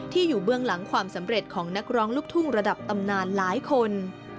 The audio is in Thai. อยู่เบื้องหลังความสำเร็จของนักร้องลูกทุ่งระดับตำนานหลายคน